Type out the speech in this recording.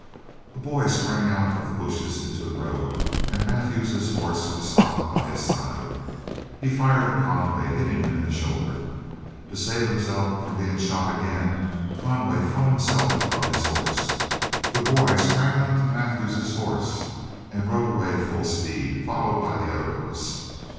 A boy sprang out of the bushes into the road, and Mathews's horse stopped by his side. He fired at Conway, hitting him in the shoulder. To save himself from being shot again, Conway flung himself from his horse. The boy sprang onto Mathews's horse and rode away at full speed, followed by the other horse.